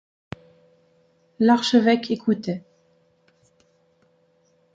L'archevêque écoutait.